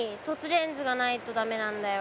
レンズがないと駄目なんだよ。